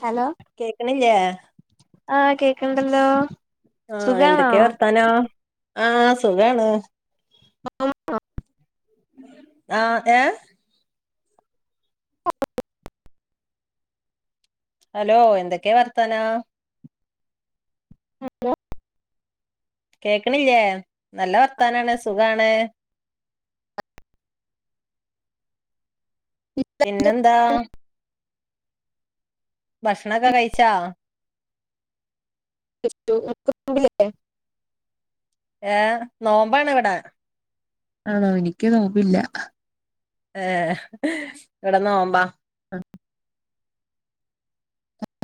Hello കേക്കണില്ലേ ആ കേക്ക്ണ്ടല്ലോ ആ എന്തൊക്കെവർത്താനോ ആ സുഖാണ് ആ എ ഹലോ എന്തൊക്കെ വർത്താനോ ആ ഹലോ കേക്കണില്ലേ നല്ല വർത്താനാണ് സുഖാണ് പിന്നെന്താ ഭക്ഷണൊക്കെ കഴിച്ചാ െ [unintelligible] ഏനോമ്പാണ് ഇവടെ ആണോ എനിക്ക് നോമ്പില്ല ഏ ഇവിടെ നോമ്പ ആ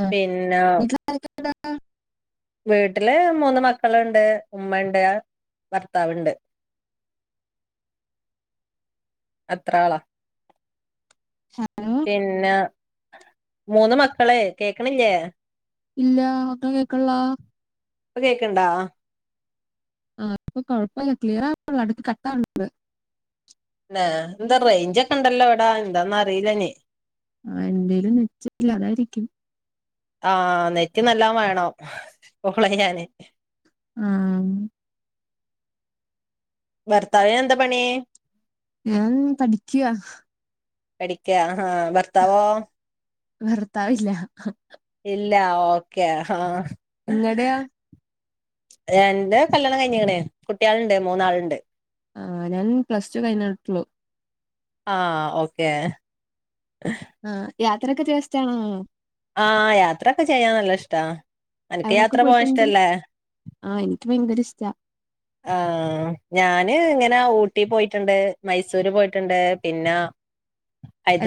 പിന്നവ് വീട്ടില് മൂന്ന് മക്കള്ണ്ട് ഉമ്മണ്ട് ഭർത്താവ്ണ്ട് അത്രാളാ ഹലോ പിന്നെ മൂന്ന് മക്കള് കേക്കണില്ലേ ഇല്ല ഒക്കെ കേക്കള്ളാ ഇപ്പൊ കേക്ണ്ടാ ആ ഇപ്പൊ കൊഴപ്പമല്ല ക്ലിയർ ആള്ളൂ അടക്ക് കട്ടാവുന്നണ്ട് എന്താ റിയിഞ്ചോക്കെ ഉണ്ടല്ലോ ഇ വിടാ എന്താന്ന അറിയിലനി ആ എന്തേലും നിച്ചല്ല അതായിരിക്കും ആ നെറ്റ് നല്ലം വേണം കോളിയ്യാന് ആ ഭർത്താവിന് എന്താ പണി ഞാൻ പഠിക്യാ പഠിക്കാ ആഹ ബർത്താവോ ഭർത്താവില്ല ഇല്ല ഓക്കേ ആഹ ഇങ്ങടയാ എന്റെ കല്യാണം കഴിഞ്ഞുകണു കുട്ടിയാൾ ഉണ്ട് മൂന്നാളുണ്ട് ആ് ഞാൻ പ്ലസ് ടു കഴിഞ്ഞിട്ടുള്ളു ആഹ ഓക്കേ ആ യാത്രക്കൊ ചെയ്യാ ഇഷ്ട്ടാണോ ആഹ യാത്രൊക്കെ ചെയ്യാ നല്ല ഇഷ്ടാ. അനക്ക് അവിടേക്കെ യാത്ര പോവാൻ പോയിട്ടുണ്ട്? ഇഷ്ടല്ലേ ആഹ എനിക്ക് ഭയങ്കര ഇഷ്ടാ ആഹ ഞാന് ഇങ്ങനെ ഊട്ടി പോയിട്ടുണ്ട് മൈസൂര് പോയിട്ടുണ്ട് പിന്നാ...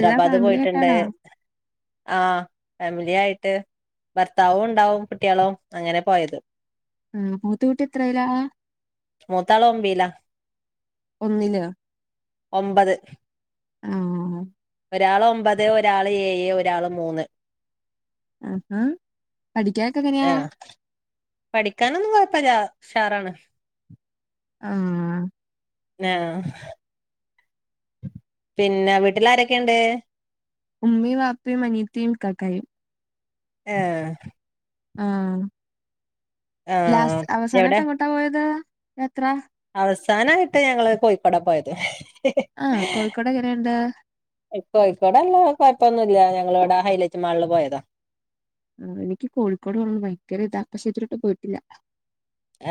എല്ലാ ഫാമിലി പോയിട്ടുണ്ട് ആയിട്ടാണോ ആഹ ഫാമിലി ആായിട്ട് ഭർത്താവും ഉണ്ടാവും കുട്ടിളും അങ്ങനെ പോയത്. ആഹ പൂത്തൂട്ടി എത്രെ ലാ മൂത്താള് ഓംബീല ഒന്നിലോ ഒമ്പത് ആഹആ ഒരാള് ഒമ്പത് ഒരാള് ഏഴ് ഒരാള് മൂന്ന് ആഹ ഹഹ ആ ങ്‌ ഹാ പഠിക്കാനൊന്നും കൊഴപ്പില്ല ഉഷാറാണ് ആഹ ആഹ പിന്നെ വീട്ടില് ആരൊക്കെുണ്ട് ഉമ്മി വാപ്പി അനിയത്തിയും ക്കാക്കയും ആഹ ആഹ ആഹ് ലാസ്റ്റ് എവിടെ അവസാനമായിട്ട് എങ്ങോട്ടാ പോയത് യാത്ര അവസാനായിട്ട് ഞങ്ങള് കോഴിക്കോടെ പോയത് ആഹ് കോഴിക്കോട് എങ്ങനെയുണ്ട്? കോഴിക്കോടല്ല കുഴപ്പൊന്നുല്ല ങ്ങളോട ഹൈലറ്റ് മാള് പോയതോ ആ എനിക്ക് കോഴിക്കോട് പോവാൻ ഭയങ്കര താ പക്ഷേ ഇതാരെട്ടും പോയിട്ടില്ല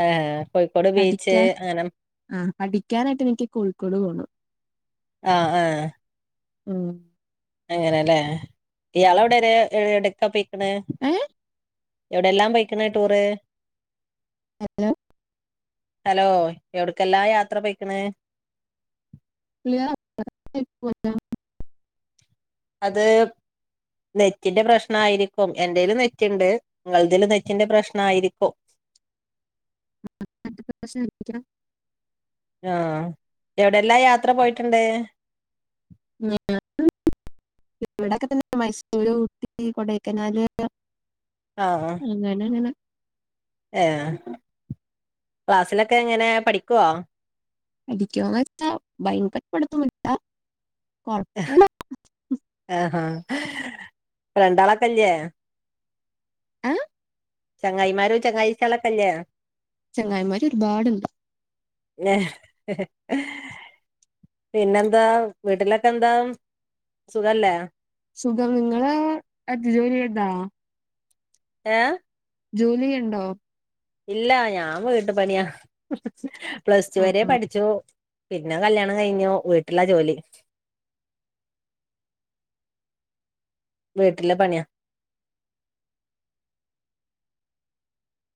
ആഹ കോഴിക്കോട് ബീച്ച് അങ്ങനെ ആഹ പഠിക്കാനായിട്ട് എനിക്ക് കോഴിക്കോട് പോണം ആഹ ആഹ ഉ അങ്ങനെലാ ഇയാളോടാരെ എവിടെകാ പൊയ്ക്ണത് ഏ എവിടെയെല്ലാം പോയിക്കു ണ് ടൂറ് ഹലോ ഹലോ എവിടക്കല്ലാ യാത്ര പോയിക്കണ് [unintelligible] അത് നെറ്റിന്റെ പ്രശ്നയിരിക്കും എന്റെൽ നെറ്റ്ണ്ട് ഇങ്ങള്തീൽ നെറ്റിന്റെ പ്രശ്നയിരിക്കും [unintelligible] ആഹ എവിടെല്ലാ യാത്ര പോയിട്ടുണ്ട് തന്നെ [unintelligible] മൈസൂര് ഊട്ടി കൊടക്കനാല് അങ്ങന്നെങ്ങനെ ഏ ക്ലാസ്സിലൊക്കെ എങ്ങനെ പഠിക്കുവോ പഠിക്കുന്നു വെച്ചാൽ ഭയങ്കര പഠിത്തന്നു ഇല്ല ആഹഹ രണ്ടാളൊക്കെല്ലേ ഏഹ് ചങ്ങായിമാരോ ചങ്ങാഴ്ച്ചി ളൊക്കല്ലേ ചെങ്ങായമാര് ഒരുപാടുണ്ട് ഏ പിന്നെന്താ വീട്ടിലൊക്കെ ന്താ സുഖല്ലേ സുഖം, നിങ്ങള്, എറ്റ, ജോലി, ചെയതാ- ഏ ജോലിയുണ്ടോ ഇല്ല ഞാൻ വീട്ടുപണിയാ പ്ലസ്ടു വരെ ആഹ് പഠിച്ചു പിന്നെ കല്യാണം കഴിഞ്ഞു വീട്ടില ജോലി. വീട്ടില പണിയാ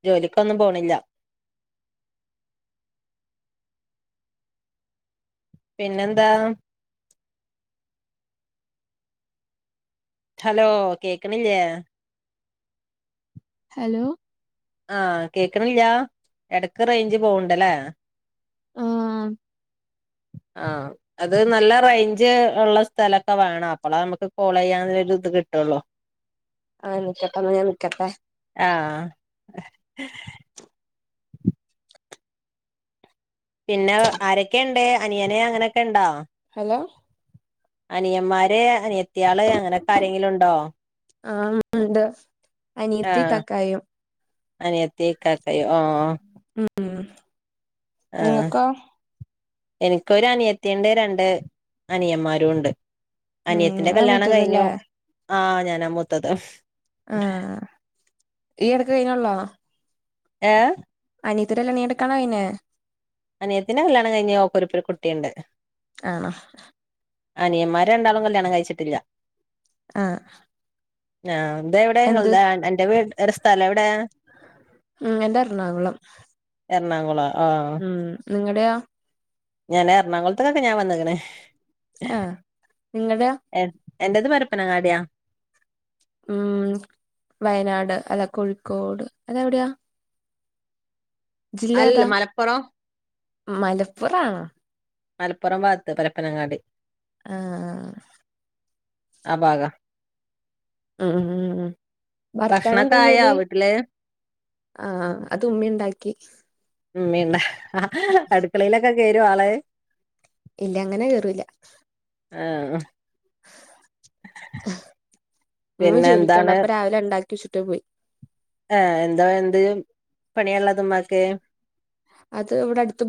ജോലിക്കൊന്നും പോണില്ല പിന്നെന്താ ഹലോ, കേക്ക്ണില്ല്യേ ഹലോ ആ കേക്ക്ണില്ല എടക്ക് റേഞ്ച് പോവണ്ട്ലേ ആഹ് ആ അത് നല്ല റേഞ്ച് ഇള്ള സ്ഥലൊക്കെ വേണം അപ്പളാ നമ്മക്ക് കോൾ ചെയ്യാനൊരു ത് കിട്ടൊള്ളൂ ആ നിക്കട്ടെ എന്ന ഞാൻ നിക്കട്ടെ ആ പിന്നെ ആരൊക്കെ ണ്ട് അനിയന് അങ്ങനെക്കെ ണ്ടോ ഹലോ അനിയന്മാര് അനിയത്തിയാള്അങ്ങനെക്കാരങ്കിലും ണ്ടോ ഉണ്ട് അനിയത്തി തക്കായം അനിയത്തി ഇക്കാക്കയും ആ ഉം നിങ്ങക്കോ എനിക്കൊ അനിയത്തിണ്ട് രണ്ട് അനിയമാരുണ്ട്. ഉം അനിയത്തിന്റെ നിങ്ങളാ കല്യാണം കഴിഞ്ഞു മൂത്തതല്ലേ ആ ഞാനാ മൂത്തത് ആ ഈ എടക്ക് കയ്ഞ്ഞള്ളോ ഏ അനിയത്തിടെ കല്യാണം ഈയടക്കാണോ കയിഞ്ഞെ അനിയത്തിന് കല്യാണം കഴിഞ്ഞ് ഓക്കൊരു പ്പൊരുകുട്ടിണ്ട്. ആണോ അനിയമാര് രണ്ടാളും കല്യാണം കയ്ച്ചിട്ടില്ല ആ ആ എന്താ എവിടെഇങ്ങൾദ് അന്റെ വീട് അന്റെ സ്ഥലം എവിടെ ഉം, എന്റെറണാകുളം. എറണാകുളം, ആ നിങ്ങടെ യോ ഞാൻ എറണാകുളത്ത്ക്കൊക്കെ ഞാൻ വന്നിക്ക്ണ് ആ നിങ്ങടെയൊ എന്റത് പരപ്പനങ്ങാടിയാ ഉം വയനാട് അല്ലാ കോഴിക്കോട് അതെവിടെയാ ജില്ല അല്ല ഏതാ മലപ്പുറം മലപ്പുറാണോ മലപ്പുറം ഭാഗത്ത് പരപ്പനങ്ങാടി ആ ആ, ഭാഗാ ഉം ഉം മ്മ് മ്മ് ഭർത്താവിനെന്താ, ഭക്ഷണൊക്കെ ആയോ ജോലി, വീട്ടില് ആ അതുമ്മി, ഉണ്ടാക്കി ഉമ്മിണ്ട് അടുക്കളയിലൊക്കെ കേറുവോ ആള് ഇല്ല അങ്ങനെ കേറൂല്ല. ആ ഹ ഉമ്മി പിന്നെ ജോലിക്കോണ്ട് എന്താണ് അപ്പൊ രാവിലെ ഉണ്ടാക്കി വെച്ചിട്ട് പോയി ആഹ് എന്താ എന്ത് പണിയുള്ളാതാ ഉമ്മാക്ക്? അത് ഇവിടെ അടുത്ത്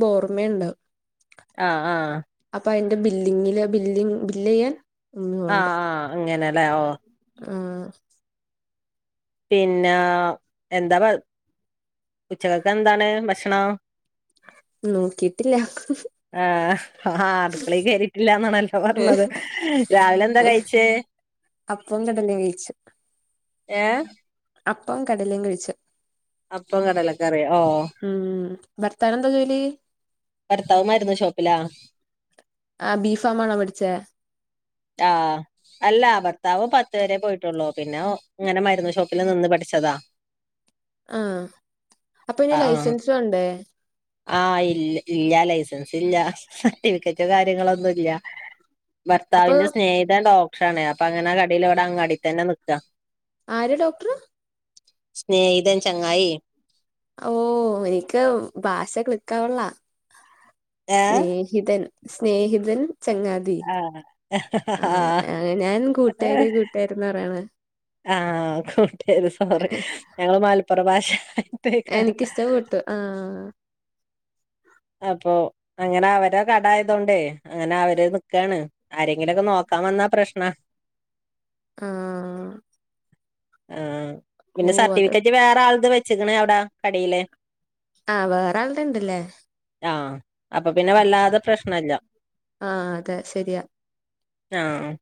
ആഹ് ആഹ് ബില്ലിങ്ങില് ബില്ലിങ് ബില്ല് ചെയ്യാൻ ഉമ്മ ഉണ്ട് ആഹ് ആഹ് അങ്ങനെല്ലേ ഓ. ആഹ്. പിന്നെ എന്താ ഉച്ചക്കൊക്കെ എന്താണ് ഭക്ഷണം? നോക്കിട്ടില്ല ആഹ് അടുക്കളേ കേറിട്ടില്ലാന്നാണല്ലോ പറഞ്ഞത് രാവിലെ എന്താ കഴിച്ചേ? അപ്പോം കടലേം കഴിച്ചു ഏഹ് അപ്പോം കടലേം കഴിച്ചു അപ്പോം കടലക്കറിയും ഓ ഭർത്താവിനു എന്താ ജോലി? ഭർത്താവ് മരുന്ന് ഷോപ്പിലാ ചേ ആഹ് അല്ല ഭർത്താവ് പത്ത് വരെ പോയിട്ടുള്ളൂ. പിന്നെ ഇങ്ങനെ മരുന്ന് ഷോപ്പില് നിന്ന് പഠിച്ചതാ. ആഹ് അപ്പൊ ഇനി ആഹ് ലൈസൻസ് വേണ്ടേ ആഹ് ഇൽ ഇല്യ ലൈസൻസ് ഇല്യ സർട്ടിഫിക്കറ്റോ കാര്യങ്ങളോന്നുല്ല. അപ്പൊ ഭർത്താവിന്റെ സ്നേഹിതൻ ഡോക്ടറാണ് അപ്പൊ അങ്ങനെ കടല് അവിടെ അങ്ങാടി തന്നെ നിക്കാ ആര് ഡോക്ടറ് സ്നേഹിതൻ ചങ്ങായി. ഓ എനിക്ക് ഭാഷ ക്ലിക്കാവണില്ല ഏഹ് സ്നേഹിതൻ സ്നേഹിതൻ ചങ്ങാതി ആഹ് ആഹ് ഞാൻ കൂട്ടുകാര് കൂട്ടാകാരെന്നാ പറയാണെ ആഹ് കൂട്ട് സോറി ഞങ്ങള് മലപ്പുറം ഭാഷയ എനിക്കിഷ്ടപ്പെട്ടു ആആ. അപ്പൊ അങ്ങനെ അവര കടായതോണ്ടേ അങ്ങനെ അവര് നിക്കാണ് ആരെങ്കിലൊക്കെ നോക്ക നോക്കാവന്നാ പ്രശ്നാ ആഹ് ആഹ് പിന്നെ ഓഹ് അത് സർട്ടിഫിക്കറ്റ് വേറെ ആൾടെ വെച്ചക്കണേ അവിടെ കടയില് ആഹ് വേറെ ആളടെ ഇണ്ടല്ലേ ആഹ് അപ്പൊ പിന്നെ വല്ലാതെ പ്രശ്നല്ല ആഹ് അതെ ശരിയാ ആഹ്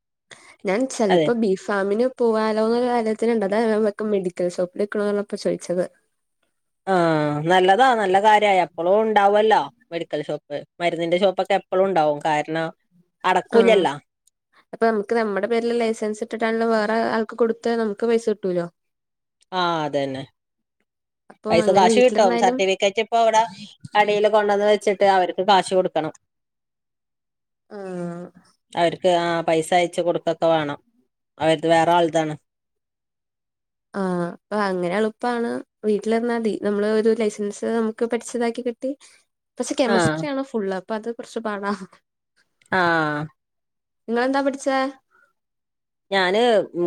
ഞാൻ അതെ ചിലപ്പോ ബീ ഫാമിന് പോവാലോ എന്നൊരു കാര്യത്തിനുണ്ട് അതാ ഞാൻ വെക്കം മെഡിക്കൽ ഷോപ്പിൽ നിക്കുണ്ണൂന്ന് പറഞ്ഞപ്പോ ചോദിച്ചത് ആഹ് നല്ലതാ നല്ല കാര്യായി എപ്പളും ഉണ്ടാവല്ലോ മെഡിക്കൽ ഷോപ്പ് മരുന്നിന്റെ ഷോപ്പൊക്കെ എപ്പഴും ഉണ്ടാവും കാരണം ആഹ് അടക്കൂലല്ലോ അപ്പൊ നമുക്ക് നമ്മുടെ പേരിൽ ലൈസൻസ് ഇട്ടിട്ടാണല്ലും വേറെ ആൾക്ക് കൊടു താ നമുക്ക് പൈസ കിട്ടൂലോ ആഹ് അതന്ന. അപ്പം പൈസ അങ്ങനെ കാശ് കിട്ടും വീട്ടിലിരുന്നാലും സർട്ടിഫിക്കറ്റ് ഇപ്പ ഇവിടെ അടില് കൊണ്ടുവന്ന് വെച്ചിട്ട് അവർ കാശ് കൊടുക്കണം ആഹ് അവർ ആഹ് പൈസ അയച്ച് കൊടുക്കൊക്കെ വേണം അവരുടെത് വേറെ ആൾതാണ്. ആഹ് അപ്പൊ അങ്ങനെ എളുപ്പാണ് വീട്ടിലിരന്നാൽ മതി നമ്മള് ഒരു ലൈസൻസ് നമുക്ക് പഠിച്ചതാക്കി. എടുത്തിട്ട് പക്ഷെ ആഹ് കെമിസ്ട്രി ആണ് ഫുള്ള് അപ്പൊ അത് കുറച്ച് പാടാ. ആഹ് നിങ്ങള് എന്താ പഠിച്ചേ ഞാന്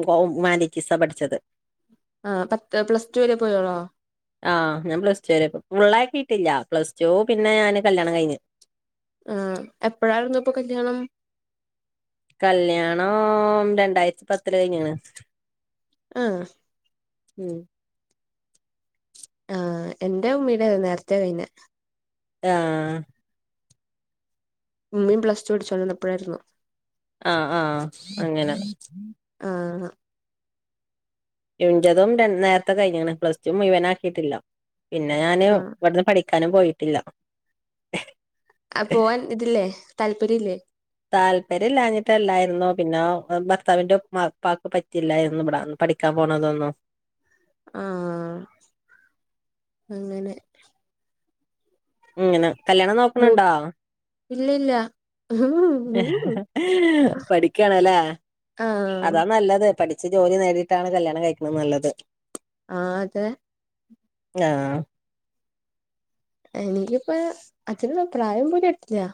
ഹോ ഹ്യുമാനിറ്റീസാ പഠിച്ചത് ആ പത്ത് പ്ലസ് ടു വരെ പോയോളോ ആഹ് ഞാൻ പ്ലസ് ടു വരെ പോ ഫുള്ളാക്കി ല്ല പ്ലസ് ടു പിന്നെ ഞാന് കല്യാണം കഴിഞ്ഞു ആ എപ്പഴായിരുന്നു ഇപ്പൊ കല്യാണം കല്യാണം രണ്ടായിരത്തി പത്തിൽ കഴിഞ്ഞ്ക്ക്ണ്. ആ ഉം ആ എൻ്റെ ഉമ്മീടെ നേരത്തെ കയിഞ്ഞെ ആഹ ഉമ്മീയും പ്ലസ് ടു പടിച്ചുണ്ടിന്നപ്പോഴായിരുന്ന ആഹ ആഹ് അങ്ങനെ ആഹ എഴഞ്ചതും നേരത്തെ കഴിഞ്ഞ പ്ലസ് ടു ഇഴവനാക്കിട്ടില്ലോ പിന്നെ ഞാന് ആ ഇവിടുന്ന് പോയിട്ടില്ല ആ പോവാൻ ഇതില്ലേ താല്പര്യ ഇല്ലേ താല്പര്യംല്ലാഞ്ഞിട്ടല്ലായിരുന്നു പിന്നെ ഭർത്താവിന്റെ പാക്ക് പറ്റിയില്ലായിരുന്നു ഇവിട പഠിക്കാൻ പോണതോന്നോ ആഹ അങ്ങനെ ഇങ്ങനെ കല്യാണം മൂ നോക്കണണ്ടോ ഇല്ല ഇല്ല പഠിക്കണല്ലേ ആ അതാ നല്ലത് പഠിച്ചു ജോലി നേടിയിട്ടാണ് കല്യാണം കഴിക്കണ നല്ലത് ആഹ അതെ ആഹ എനിക്കിപ്പ അതിനുള്ള പ്രായം പോലും ആയിട്ടില്ല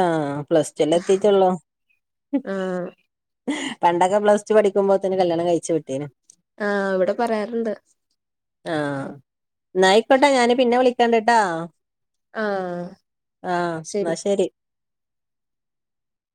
ആഹ പ്ലസ് ൽ എത്തിട്ടുള്ളൂ ആ പണ്ടൊക്കെ പ്ലസ് ടു പഠിക്കുമ്പോ തന്നെ കല്യാണം കഴിച്ചു വിട്ടേന് ആഹ് ഇവിടെ പറയാറുണ്ട് ആഹ എന്നായിക്കോട്ടെ ഞാന് പിന്നെ വിളിക്കണ്ട കേട്ടാ ആ ആഹ എന്നാ ശരി